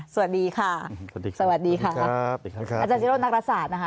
สวัสดีค่ะสวัสดีครับอาจารย์ศิโรธนักรัฐศาสตร์นะคะ